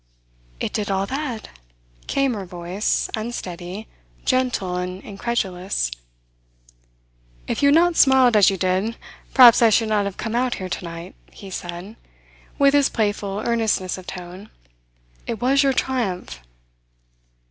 "It did all that?" came her voice, unsteady, gentle, and incredulous. "If you had not smiled as you did, perhaps I should not have come out here tonight," he said, with his playful earnestness of tone. "It was your triumph."